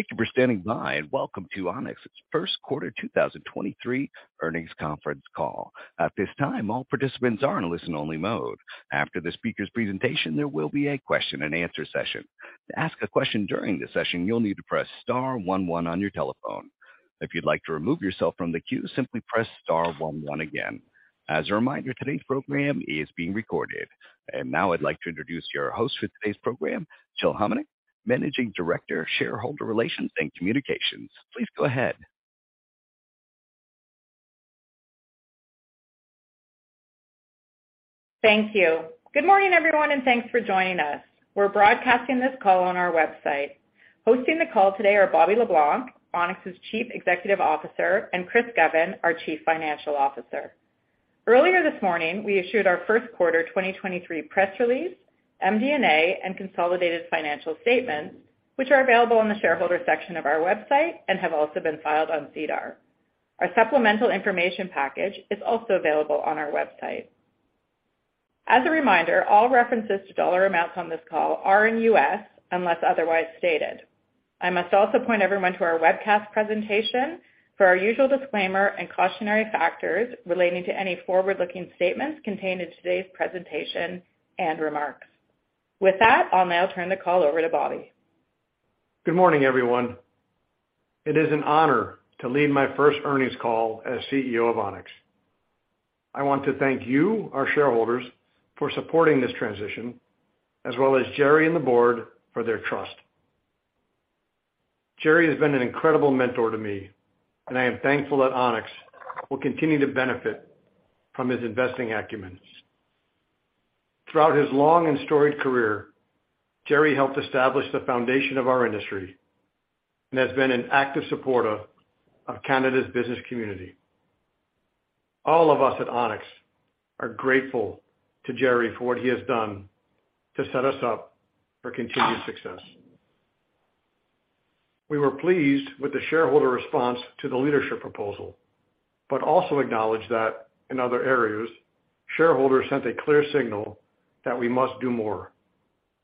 Thank you for standing by. Welcome to Onex's first quarter 2023 earnings conference call. At this time, all participants are in a listen-only mode. After the speaker's presentation, there will be a question and answer session. To ask a question during the session, you'll need to press star one one on your telephone. If you'd like to remove yourself from the queue, simply press star one one again. As a reminder, today's program is being recorded. Now I'd like to introduce your host for today's program, Jill Homenuk, Managing Director, Shareholder Relations and Communications. Please go ahead. Thank you. Good morning, everyone, and thanks for joining us. We're broadcasting this call on our website. Hosting the call today are Bobby Le Blanc, Onex's Chief Executive Officer, and Chris Govan, our Chief Financial Officer. Earlier this morning, we issued our first quarter 2023 press release, MD&A, and consolidated financial statements, which are available on the shareholder section of our website and have also been filed on SEDAR. Our supplemental information package is also available on our website. As a reminder, all references to dollar amounts on this call are in U.S. dollars, unless otherwise stated. I must also point everyone to our webcast presentation for our usual disclaimer and cautionary factors relating to any forward-looking statements contained in today's presentation and remarks. With that, I'll now turn the call over to Bobby. Good morning, everyone. It is an honor to lead my first earnings call as CEO of Onex. I want to thank you, our shareholders, for supporting this transition as well as Gerry and the board for their trust. Gerry has been an incredible mentor to me, and I am thankful that Onex will continue to benefit from his investing acumen. Throughout his long and storied career, Gerry helped establish the foundation of our industry and has been an active supporter of Canada's business community. All of us at Onex are grateful to Gerry for what he has done to set us up for continued success. We were pleased with the shareholder response to the leadership proposal, but also acknowledge that in other areas, shareholders sent a clear signal that we must do more,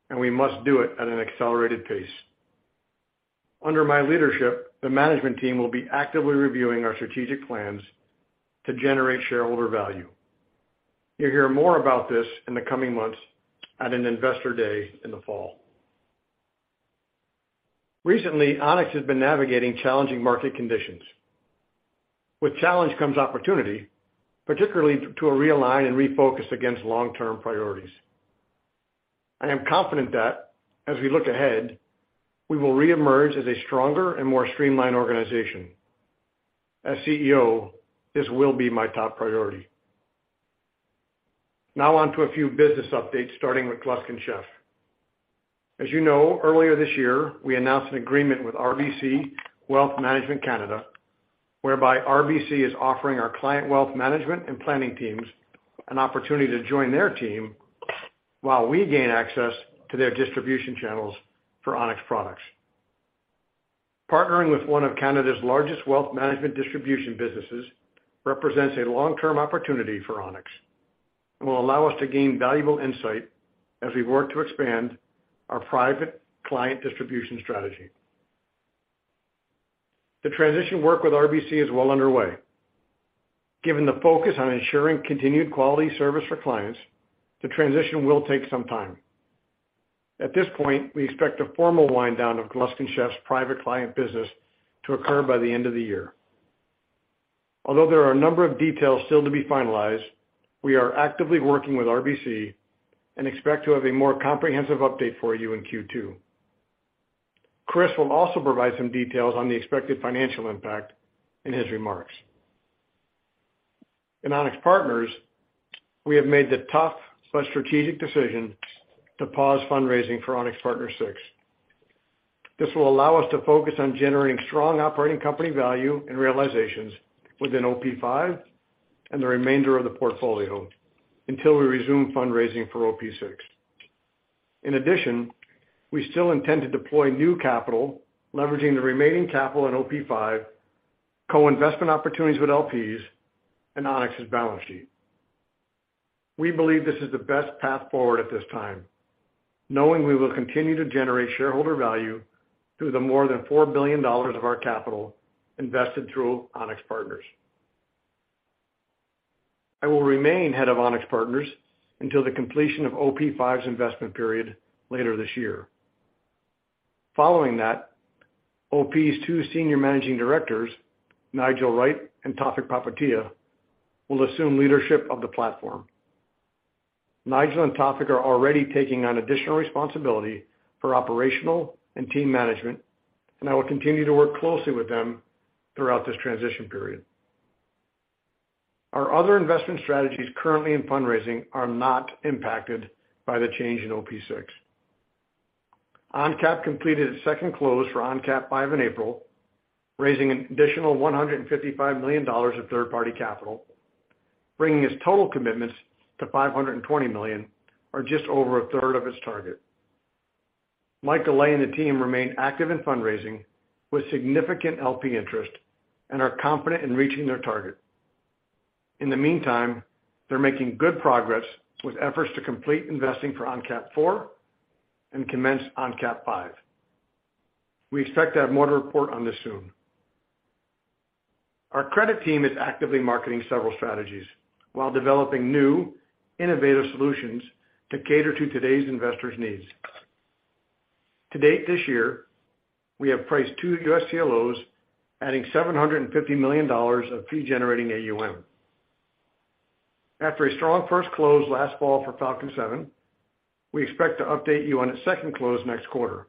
and we must do it at an accelerated pace. Under my leadership, the management team will be actively reviewing our strategic plans to generate shareholder value. You'll hear more about this in the coming months at an Investor Day in the fall. Recently, Onex has been navigating challenging market conditions. With challenge comes opportunity, particularly to realign and refocus against long-term priorities. I am confident that as we look ahead, we will reemerge as a stronger and more streamlined organization. As CEO, this will be my top priority. On to a few business updates, starting with Gluskin Sheff. As you know, earlier this year, we announced an agreement with RBC Wealth Management Canada, whereby RBC is offering our client wealth management and planning teams an opportunity to join their team while we gain access to their distribution channels for Onex products. Partnering with one of Canada's largest wealth management distribution businesses represents a long-term opportunity for Onex and will allow us to gain valuable insight as we work to expand our private client distribution strategy. The transition work with RBC is well underway. Given the focus on ensuring continued quality service for clients, the transition will take some time. At this point, we expect a formal wind down of Gluskin Sheff's private client business to occur by the end of the year. Although there are a number of details still to be finalized, we are actively working with RBC and expect to have a more comprehensive update for you in Q2. Chris will also provide some details on the expected financial impact in his remarks. In Onex Partners, we have made the tough but strategic decision to pause fundraising for Onex Partners VI. This will allow us to focus on generating strong operating company value and realizations within OP V and the remainder of the portfolio until we resume fundraising for OP VI. In addition, we still intend to deploy new capital, leveraging the remaining capital in OP V, co-investment opportunities with LPs and Onex's balance sheet. We believe this is the best path forward at this time, knowing we will continue to generate shareholder value through the more than $4 billion of our capital invested through Onex Partners. I will remain Head of Onex Partners until the completion of OP V's investment period later this year. Following that, OP's two senior managing directors, Nigel Wright and Tawfiq Popatia, will assume leadership of the platform. Nigel and Tawfiq are already taking on additional responsibility for operational and team management, and I will continue to work closely with them throughout this transition period. Our other investment strategies currently in fundraising are not impacted by the change in OP VI. ONCAP completed its second close for ONCAP V in April, raising an additional $155 million of third-party capital, bringing its total commitments to $520 million or just over a third of its target. Michael Lay and the team remain active in fundraising with significant LP interest and are confident in reaching their target. In the meantime, they're making good progress with efforts to complete investing for ONCAP IV and commence ONCAP V. We expect to have more to report on this soon. Our credit team is actively marketing several strategies while developing new innovative solutions to cater to today's investors' needs. To date this year, we have priced two U.S. CLOs, adding $750 million of fee-generating AUM. After a strong first close last fall for Falcon VII, we expect to update you on its second close next quarter.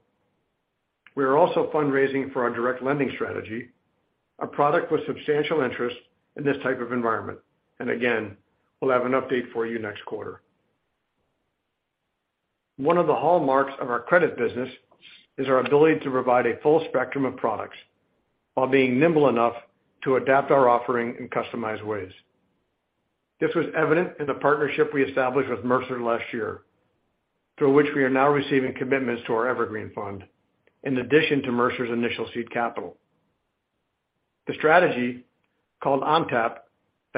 We are also fundraising for our direct lending strategy, a product with substantial interest in this type of environment. Again, we'll have an update for you next quarter. One of the hallmarks of our credit business is our ability to provide a full spectrum of products while being nimble enough to adapt our offering in customized ways. This was evident in the partnership we established with Mercer last year, through which we are now receiving commitments to our Evergreen Fund, in addition to Mercer's initial seed capital. The strategy, called ONCAP,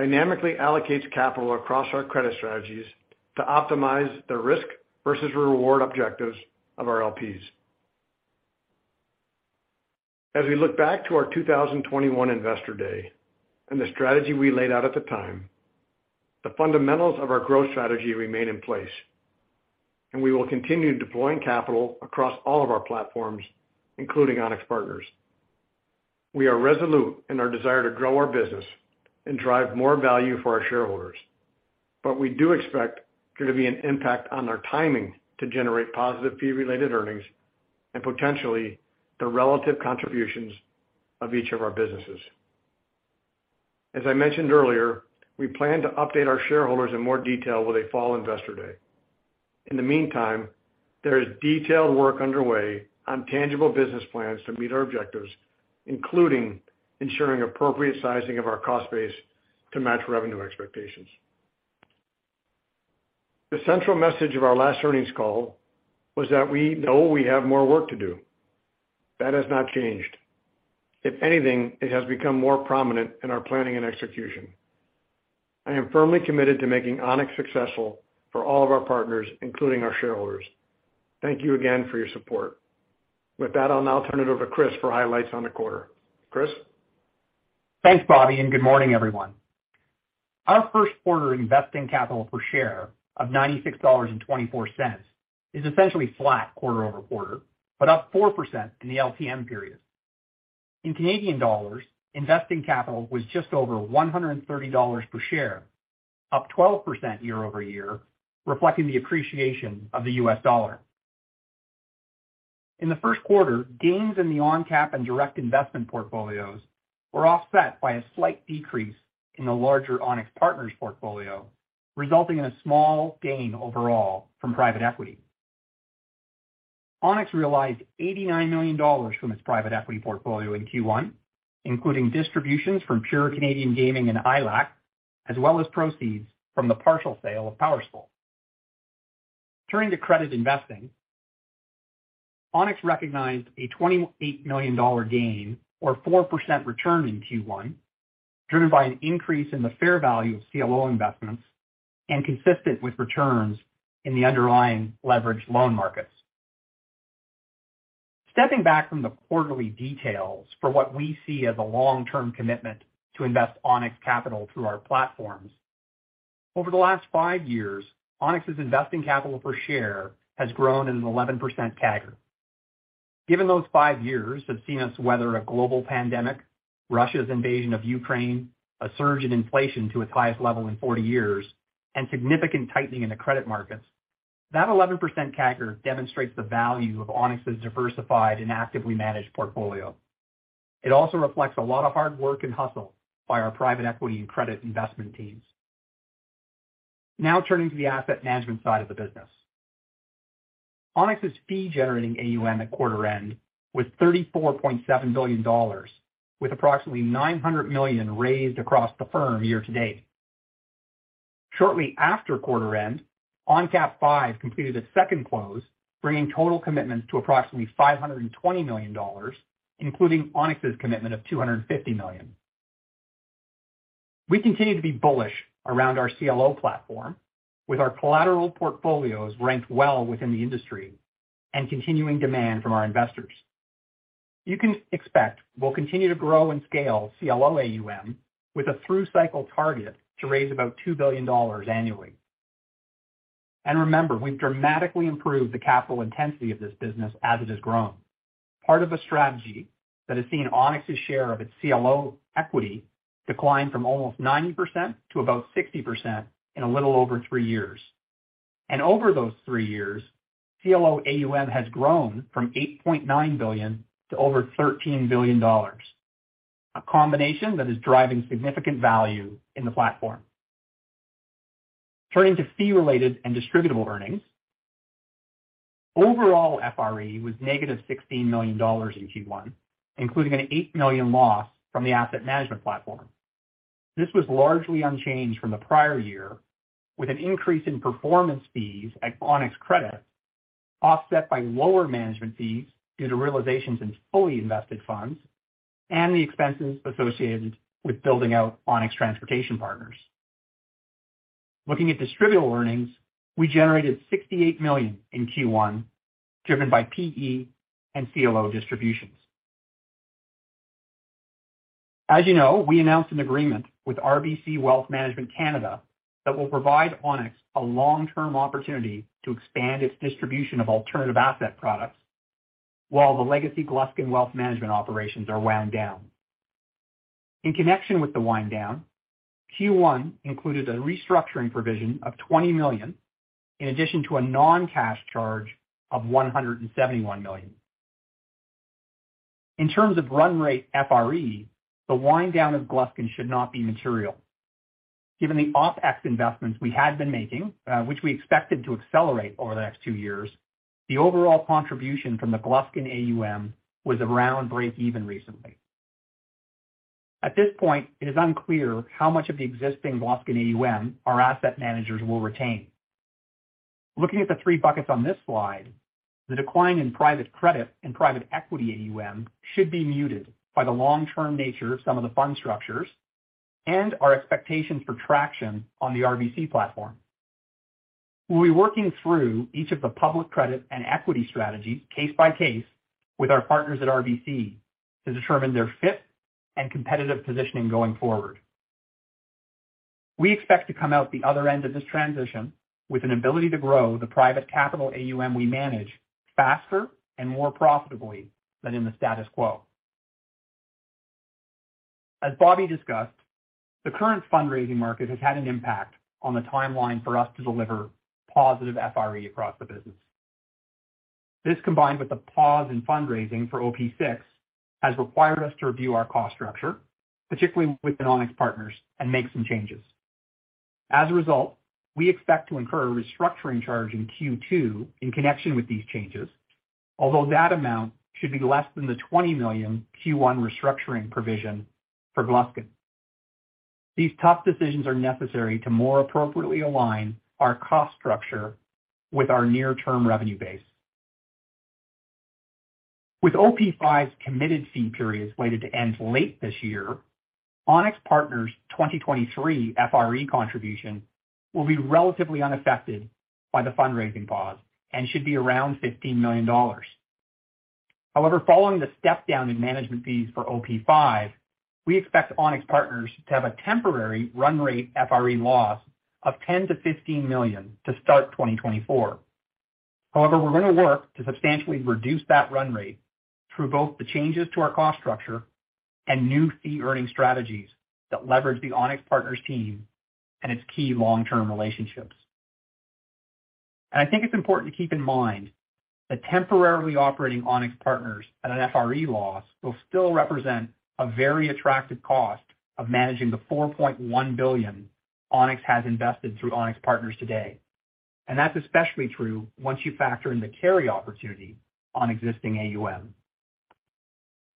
dynamically allocates capital across our credit strategies to optimize the risk versus reward objectives of our LPs. As we look back to our 2021 investor day and the strategy we laid out at the time, the fundamentals of our growth strategy remain in place, and we will continue deploying capital across all of our platforms, including Onex Partners. We are resolute in our desire to grow our business and drive more value for our shareholders. We do expect there to be an impact on our timing to generate positive fee-related earnings and potentially the relative contributions of each of our businesses. As I mentioned earlier, we plan to update our shareholders in more detail with a fall investor day. In the meantime, there is detailed work underway on tangible business plans to meet our objectives, including ensuring appropriate sizing of our cost base to match revenue expectations. The central message of our last earnings call was that we know we have more work to do. That has not changed. If anything, it has become more prominent in our planning and execution. I am firmly committed to making Onex successful for all of our partners, including our shareholders. Thank you again for your support. With that, I'll now turn it over to Chris for highlights on the quarter. Chris? Thanks, Bobby. Good morning, everyone. Our first quarter investing capital per share of $96.24 is essentially flat quarter-over-quarter, but up 4% in the LTM period. In Canadian dollars, investing capital was just over 130 dollars per share, up 12% year-over-year, reflecting the appreciation of the US dollar. In the first quarter, gains in the ONCAP and direct investment portfolios were offset by a slight decrease in the larger Onex Partners portfolio, resulting in a small gain overall from private equity. Onex realized $89 million from its private equity portfolio in Q1, including distributions from PURE Canadian Gaming and ILAC, as well as proceeds from the partial sale of PowerSchool. Turning to credit investing. Onex recognized a $28 million gain or 4% return in Q1, driven by an increase in the fair value of CLO investments and consistent with returns in the underlying leveraged loan markets. Stepping back from the quarterly details for what we see as a long-term commitment to invest Onex capital through our platforms, over the last five years, Onex's investing capital per share has grown at an 11% CAGR. Given those five years have seen us weather a global pandemic, Russia's invasion of Ukraine, a surge in inflation to its highest level in 40 years, and significant tightening in the credit markets, that 11% CAGR demonstrates the value of Onex's diversified and actively managed portfolio. It also reflects a lot of hard work and hustle by our private equity and credit investment teams. Turning to the asset management side of the business. Onex's fee-generating AUM at quarter end was $34.7 billion, with approximately $900 million raised across the firm year to date. Shortly after quarter end, ONCAP V completed a second close, bringing total commitments to approximately $520 million, including Onex's commitment of $250 million. We continue to be bullish around our CLO platform with our collateral portfolios ranked well within the industry and continuing demand from our investors. You can expect we'll continue to grow and scale CLO AUM with a through cycle target to raise about $2 billion annually. Remember, we've dramatically improved the capital intensity of this business as it has grown. Part of a strategy that has seen Onex's share of its CLO equity decline from almost 90% to about 60% in a little over three years. Over those three years, CLO AUM has grown from $8.9 billion to over $13 billion. A combination that is driving significant value in the platform. Turning to fee-related and distributable earnings. Overall, FRE was negative $16 million in Q1, including an $8 million loss from the asset management platform. This was largely unchanged from the prior year, with an increase in performance fees at Onex Credit-Offset by lower management fees due to realizations in fully invested funds and the expenses associated with building out Onex Transportation Partners. Looking at distributable earnings, we generated $68 million in Q1, driven by PE and CLO distributions. As you know, we announced an agreement with RBC Wealth Management Canada that will provide Onex a long-term opportunity to expand its distribution of alternative asset products while the legacy Gluskin Wealth Management operations are wound down. In connection with the wind down, Q1 included a restructuring provision of $20 million, in addition to a non-cash charge of $171 million. In terms of run rate FRE, the wind down of Gluskin should not be material. Given the OpEx investments we had been making, which we expected to accelerate over the next two years, the overall contribution from the Gluskin AUM was around breakeven recently. At this point, it is unclear how much of the existing Gluskin AUM our asset managers will retain. Looking at the three buckets on this slide, the decline in Private Credit and private equity AUM should be muted by the long-term nature of some of the fund structures and our expectations for traction on the RBC platform. We'll be working through each of the public credit and equity strategies case by case with our partners at RBC to determine their fit and competitive positioning going forward. We expect to come out the other end of this transition with an ability to grow the private capital AUM we manage faster and more profitably than in the status quo. As Bobby discussed, the current fundraising market has had an impact on the timeline for us to deliver positive FRE across the business. This, combined with the pause in fundraising for OP6, has required us to review our cost structure, particularly within Onex Partners, and make some changes. As a result, we expect to incur a restructuring charge in Q2 in connection with these changes, although that amount should be less than the $20 million Q1 restructuring provision for Gluskin. These tough decisions are necessary to more appropriately align our cost structure with our near-term revenue base. With OP V's committed fee periods slated to end late this year, Onex Partners' 2023 FRE contribution will be relatively unaffected by the fundraising pause and should be around $15 million. Following the step down in management fees for OP V, we expect Onex Partners to have a temporary run rate FRE loss of $10 million-$15 million to start 2024. We're going to work to substantially reduce that run rate through both the changes to our cost structure and new fee-earning strategies that leverage the Onex Partners team and its key long-term relationships. I think it's important to keep in mind that temporarily operating Onex Partners at an FRE loss will still represent a very attractive cost of managing the $4.1 billion Onex has invested through Onex Partners today. That's especially true once you factor in the carry opportunity on existing AUM.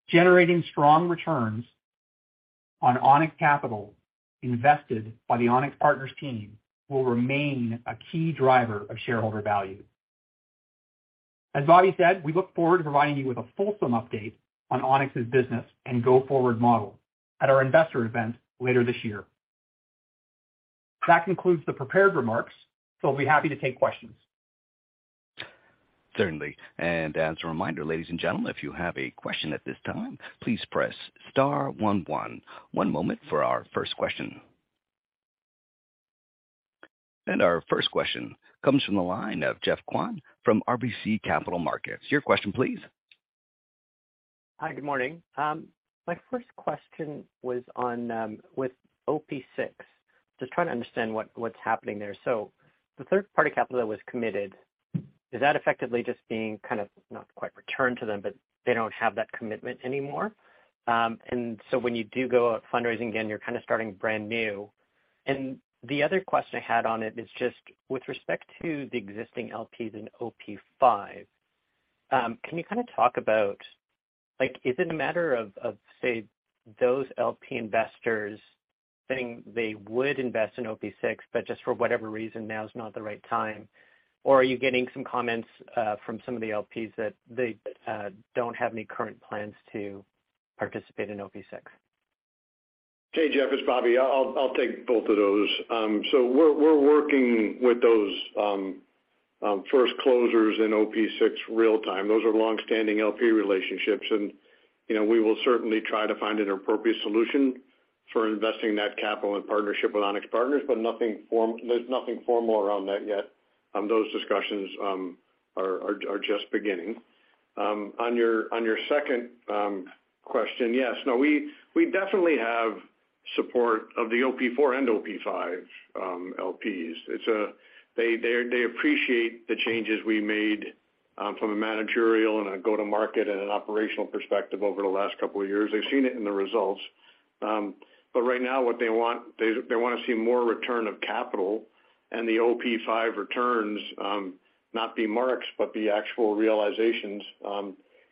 Generating strong returns on Onex capital invested by the Onex Partners team will remain a key driver of shareholder value. As Bobby said, we look forward to providing you with a fulsome update on Onex's business and go-forward model at our investor event later this year. That concludes the prepared remarks, I'll be happy to take questions. Certainly. As a reminder, ladies and gentlemen, if you have a question at this time, please press star one one. One moment for our first question. Our first question comes from the line of Geoff Kwan from RBC Capital Markets. Your question please. Hi, good morning. My first question was on with OP VI, just trying to understand what's happening there. The third-party capital that was committed, is that effectively just being kind of not quite returned to them, but they don't have that commitment anymore? When you do go out fundraising again, you're kind of starting brand new. The other question I had on it is just with respect to the existing LPs in OP V, can you kind of talk about, like, is it a matter of say, those LP investors saying they would invest in OP VI, but just for whatever reason, now is not the right time? Or are you getting some comments from some of the LPs that they don't have any current plans to participate in OP VI? Hey, Geoff, it's Bobby. I'll take both of those. We're working with those first closers in OP VI real time. Those are long-standing LP relationships and, you know, we will certainly try to find an appropriate solution for investing that capital in partnership with Onex Partners, but nothing formal around that yet. Those discussions are just beginning. On your second question, yes, no, we definitely have support of the OP IV and OP V LPs. It's, they appreciate the changes we made from a managerial and a go-to-market and an operational perspective over the last couple of years. They've seen it in the results. Right now what they want, they want to see more return of capital and the OP V returns not be marks, but be actual realizations.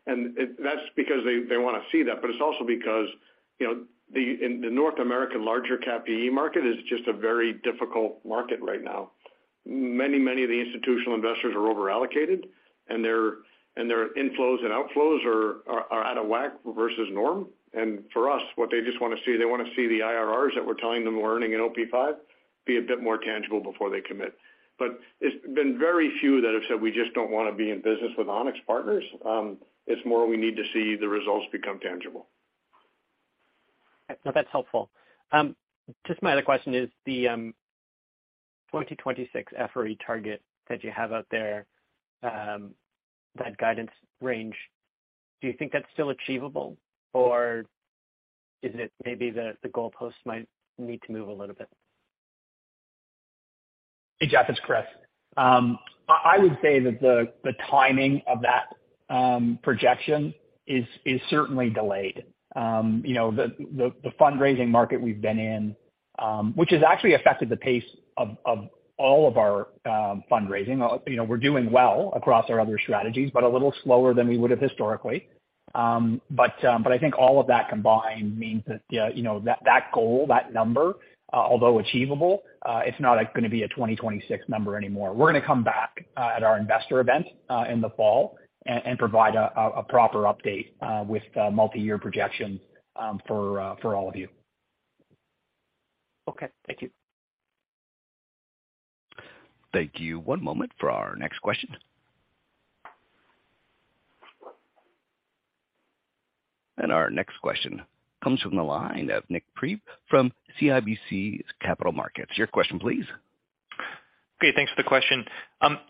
That's because they want to see that. It's also because, you know, in the North American larger cap PE market is just a very difficult market right now. Many of the institutional investors are over-allocated, and their inflows and outflows are out of whack versus norm. For us, what they just wanna see, they wanna see the IRRs that we're telling them we're earning in OP V be a bit more tangible before they commit. It's been very few that have said, "We just don't wanna be in business with Onex Partners." It's more we need to see the results become tangible. That's helpful. Just my other question is the 2026 FRE target that you have out there, that guidance range, do you think that's still achievable or is it maybe the goalpost might need to move a little bit? Hey, Geoff, it's Chris. I would say that the timing of that projection is certainly delayed. You know, the fundraising market we've been in, which has actually affected the pace of all of our fundraising. You know, we're doing well across our other strategies, but a little slower than we would have historically. I think all of that combined means that, you know, that goal, that number, although achievable, it's not gonna be a 2026 number anymore. We're gonna come back at our investor event in the fall and provide a proper update with the multiyear projections for all of you. Okay. Thank you. Thank you. One moment for our next question. Our next question comes from the line of Nik Priebe from CIBC Capital Markets. Your question please. Okay, thanks for the question.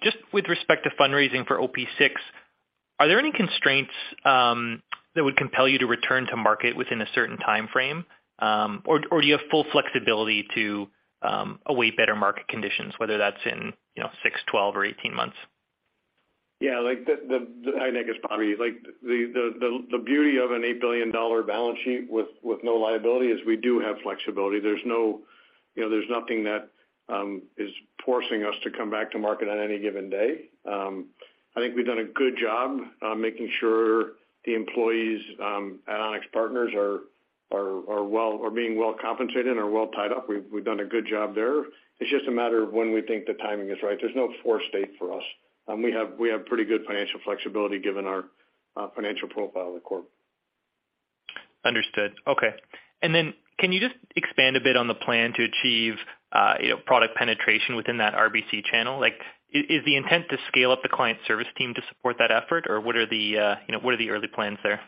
Just with respect to fundraising for OP VI, are there any constraints that would compel you to return to market within a certain timeframe? Or do you have full flexibility to await better market conditions, whether that's in, you know, 6, 12 or 18 months? Yeah. Like the I think it's probably like the, the beauty of an $8 billion balance sheet with no liability is we do have flexibility. You know, there's nothing that is forcing us to come back to market on any given day. I think we've done a good job making sure the employees at Onex Partners are being well compensated and are well tied up. We've done a good job there. It's just a matter of when we think the timing is right. There's no force state for us. We have pretty good financial flexibility given our financial profile of the corp. Understood. Okay. Can you just expand a bit on the plan to achieve, you know, product penetration within that RBC channel? Is the intent to scale up the client service team to support that effort, or what are the, you know, what are the early plans there?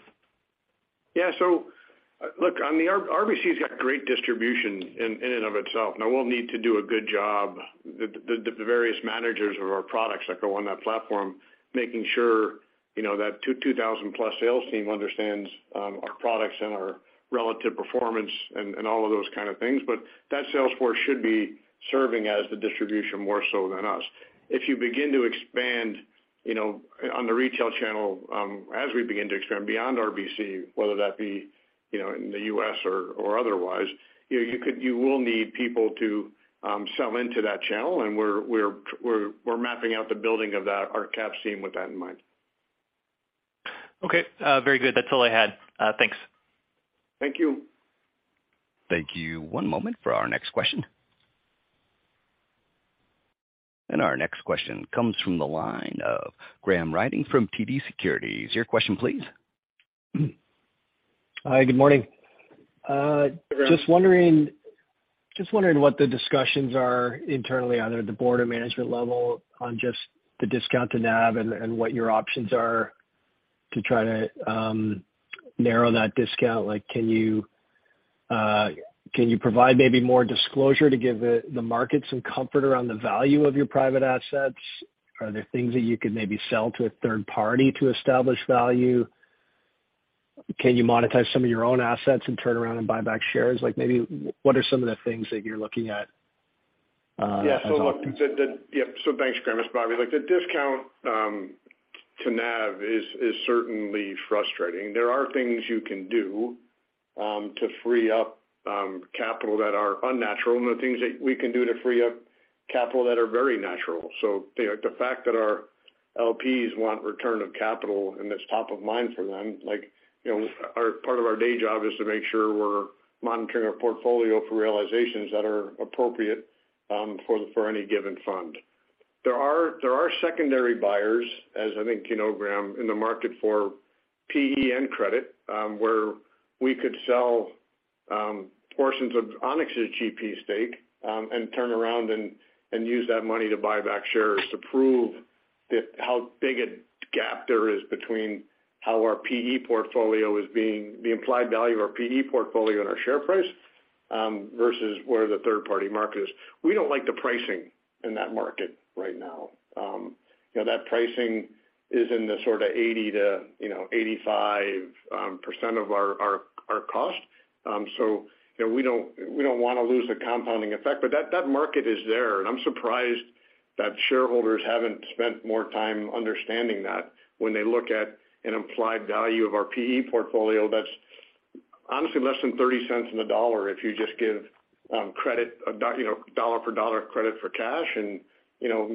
Look, I mean, RBC's got great distribution in and of itself, and we'll need to do a good job the various managers of our products that go on that platform, making sure, you know, that 2,000 plus sales team understands our products and our relative performance and all of those kind of things. That sales force should be serving as the distribution more so than us. If you begin to expand, you know, on the retail channel, as we begin to expand beyond RBC, whether that be, you know, in the U.S. or otherwise, you know, you will need people to sell into that channel. We're mapping out the building of that, our cap team with that in mind. Okay. Very good. That's all I had. Thanks. Thank you. Thank you. One moment for our next question. Our next question comes from the line of Graham Ryding from TD Securities. Your question please. Hi, good morning. Graham. Just wondering what the discussions are internally, either at the board or management level on just the discount to NAV and what your options are to try to narrow that discount. Like, can you provide maybe more disclosure to give the market some comfort around the value of your private assets? Are there things that you could maybe sell to a third party to establish value? Can you monetize some of your own assets and turn around and buy back shares? Like maybe what are some of the things that you're looking at as options? Thanks, Graham. It's Bobby. Like the discount to NAV is certainly frustrating. There are things you can do to free up capital that are unnatural, and the things that we can do to free up capital that are very natural. You know, the fact that our LPs want return of capital, and that's top of mind for them, like, you know, part of our day job is to make sure we're monitoring our portfolio for realizations that are appropriate for any given fund. There are secondary buyers, as I think you know, Graham, in the market for PEN Credit, where we could sell portions of Onex's GP stake, and turn around and use that money to buy back shares to prove that how big a gap there is between how our PE portfolio is being the implied value of our PE portfolio and our share price, versus where the third party market is. We don't like the pricing in that market right now. You know, that pricing is in the sort of 80% to, you know, 85% of our cost. You know, we don't, we don't wanna lose the compounding effect. That market is there, and I'm surprised that shareholders haven't spent more time understanding that when they look at an implied value of our PE portfolio, that's honestly less than $0.30 on the dollar if you just give credit, you know, dollar for dollar credit for cash and, you know,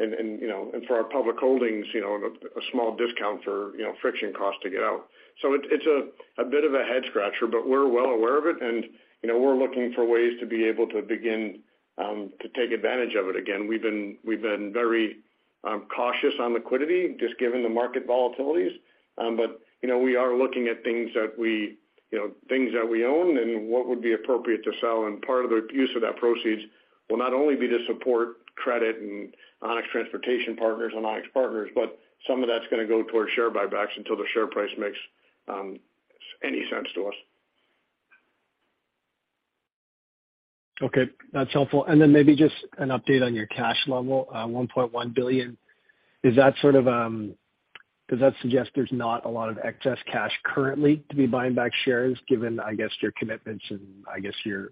and for our public holdings, you know, a small discount for, you know, friction costs to get out. It's a bit of a head scratcher, but we're well aware of it. You know, we're looking for ways to be able to begin to take advantage of it again. We've been very cautious on liquidity just given the market volatilities. You know, we are looking at things that we, you know, things that we own and what would be appropriate to sell. Part of the use of that proceeds will not only be to support credit and Onex Transportation Partners and Onex Partners, but some of that's gonna go towards share buybacks until the share price makes any sense to us. Okay, that's helpful. Maybe just an update on your cash level, $1.1 billion. Does that suggest there's not a lot of excess cash currently to be buying back shares given, I guess, your commitments and I guess your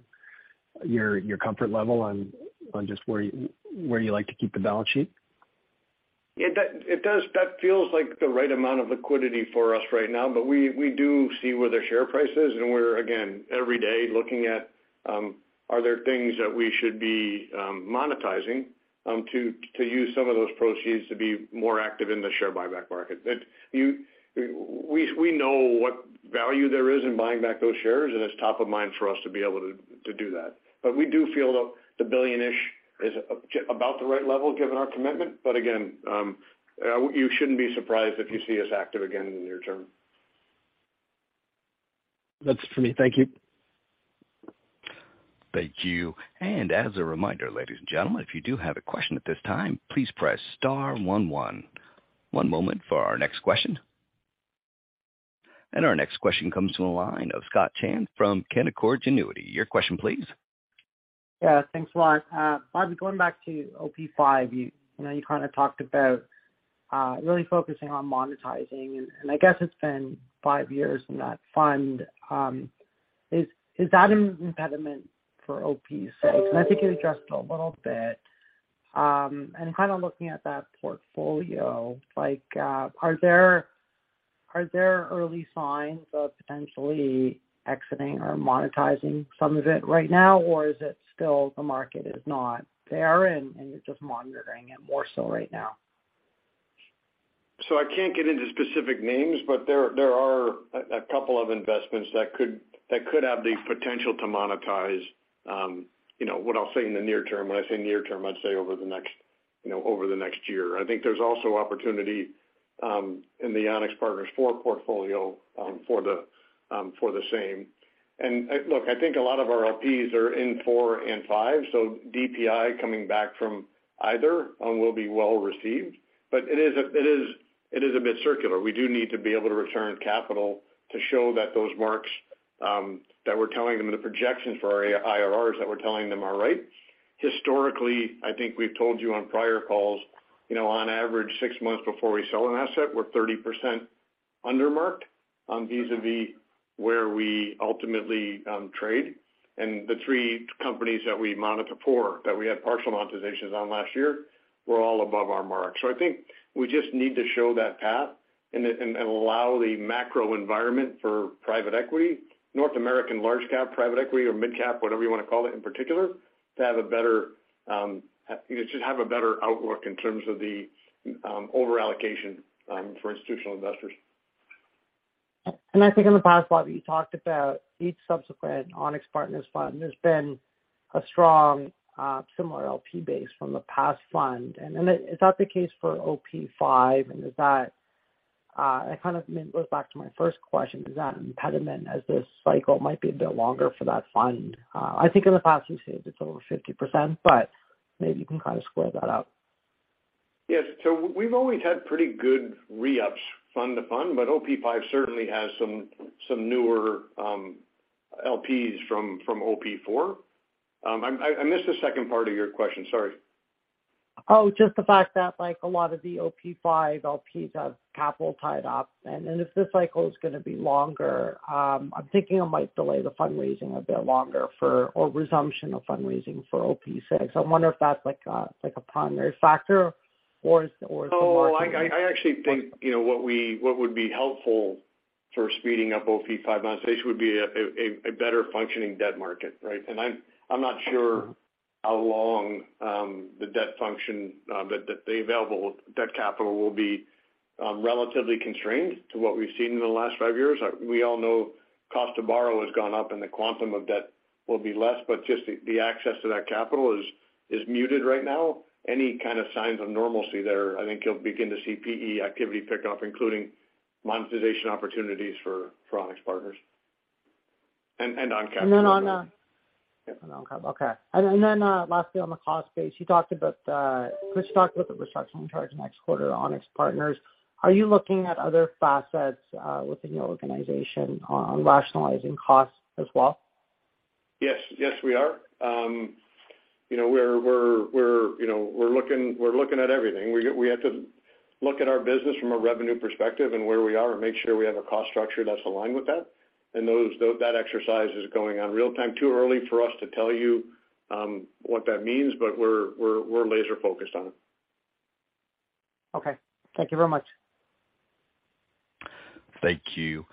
comfort level on just where you like to keep the balance sheet? It does. That feels like the right amount of liquidity for us right now, but we do see where the share price is and we're again every day looking at, are there things that we should be monetizing to use some of those proceeds to be more active in the share buyback market. We know what value there is in buying back those shares, and it's top of mind for us to be able to do that. We do feel the billion-ish is about the right level given our commitment. Again, you shouldn't be surprised if you see us active again in the near term. That's for me. Thank you. Thank you. As a reminder, ladies and gentlemen, if you do have a question at this time, please press star one one. One moment for our next question. Our next question comes from the line of Scott Chan from Canaccord Genuity. Your question please. Yeah, thanks a lot. Bobby, going back to OP V, you know, you kind of talked about really focusing on monetizing and I guess it's been five years in that fund. Is that an impediment for OP VI? I think you addressed it a little bit. Kind of looking at that portfolio like, are there early signs of potentially exiting or monetizing some of it right now, or is it still the market is not there and you're just monitoring it more so right now? I can't get into specific names, but there are a couple of investments that could have the potential to monetize, you know, what I'll say in the near term. When I say near term, I'd say over the next, you know, over the next year. I think there's also opportunity in the Onex Partners IV portfolio for the same. Look, I think a lot of our LPs are in IV and V, so DPI coming back from either will be well received. It is a bit circular. We do need to be able to return capital to show that those marks, that we're telling them in the projections for our IRRs, that we're telling them are right. Historically, I think we've told you on prior calls, you know, on average six months before we sell an asset, we're 30% under marked, vis-a-vis where we ultimately trade. The three companies that we monitor for, that we had partial monetizations on last year, were all above our mark. I think we just need to show that path and allow the macro environment for private equity, North American large cap, private equity or midcap, whatever you wanna call it in particular, to have a better, you know, to have a better outlook in terms of the over allocation for institutional investors. I think in the past, Bobby Le Blanc, you talked about each subsequent Onex Partners fund, there's been a strong, similar LP base from the past fund. Is that the case for OP V? Is that, I kind of went back to my first question, is that an impediment as this cycle might be a bit longer for that fund? I think in the past you said it's over 50%, but maybe you can kind of square that up. Yes. We've always had pretty good re-ups fund to fund, but OP V certainly has some newer LPs from OP IV. I missed the second part of your question. Sorry. Just the fact that a lot of the OP V LPs have capital tied up and if this cycle is going to be longer, I'm thinking it might delay the fundraising a bit longer for or resumption of fundraising for OP VI. I wonder if that's like a primary factor or is the market- No, I actually think, you know what would be helpful for speeding up OP V monetization would be a better functioning debt market, right? I'm not sure how long the debt function, the available debt capital will be relatively constrained to what we've seen in the last five years. We all know cost to borrow has gone up and the quantum of debt will be less, but just the access to that capital is muted right now. Any kind of signs of normalcy there, I think you'll begin to see PE activity pick up, including monetization opportunities for Onex Partners and ONCAP. Then on ONCAP. Okay. Then lastly on the cost base, you talked about the restructuring charge next quarter to Onex Partners. Are you looking at other facets within your organization on rationalizing costs as well? Yes. Yes, we are. you know, we're, you know, we're looking at everything. We have to look at our business from a revenue perspective and where we are and make sure we have a cost structure that's aligned with that. That exercise is going on real time, too early for us to tell you, what that means, but we're laser focused on it. Okay. Thank you very much. Thank you.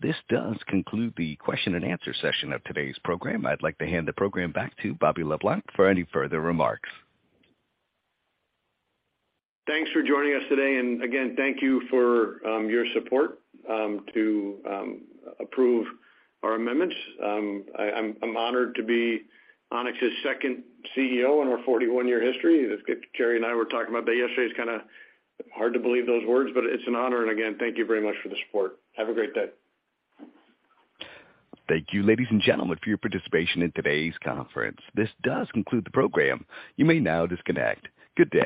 This does conclude the question and answer session of today's program. I'd like to hand the program back to Bobby LeBlanc for any further remarks. Thanks for joining us today, and again, thank you for your support to approve our amendments. I'm honored to be Onex's second CEO in our 41-year history. Gerry and I were talking about that yesterday. It's kinda hard to believe those words, but it's an honor. Again, thank you very much for the support. Have a great day. Thank you, ladies and gentlemen, for your participation in today's conference. This does conclude the program. You may now disconnect. Good day.